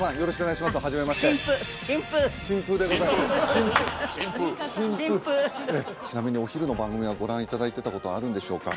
新新風新風ちなみにお昼の番組はご覧いただいてたことあるんでしょうか？